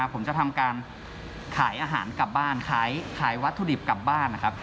ผมจะทำการขายอาหารกลับบ้านขายวัตถุดิบกลับบ้านนะครับ